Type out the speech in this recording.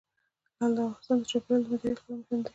لعل د افغانستان د چاپیریال د مدیریت لپاره مهم دي.